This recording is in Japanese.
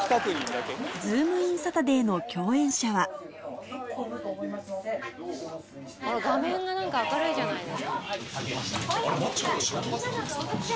『ズームイン‼サタデー』の共演者は画面が明るいじゃないの。